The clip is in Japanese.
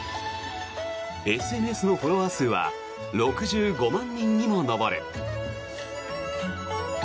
ＳＮＳのフォロワー数は６５万人にも上る。